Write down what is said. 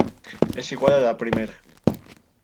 Es igual a la primera.